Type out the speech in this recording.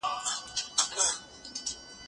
زه به اوږده موده چپنه پاک کړې وم؟